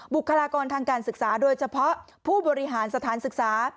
บุคลากรทางการศึกษาโดยเฉพาะผู้บริหารสถานศึกษา